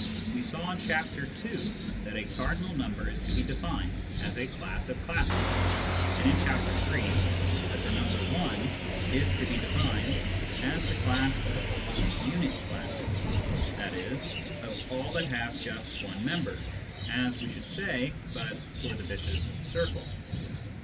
We saw in Chapter II. that a cardinal number is to be defined as a class of classes, and in Chapter III. that the number i is to be defined as the class of all unit classes, i.e. of all that have just one member, as we should say but for the vicious circle.